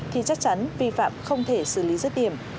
thì chắc chắn vi phạm không thể xử lý rất điểm